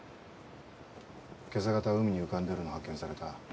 今朝方海に浮かんでるのを発見された。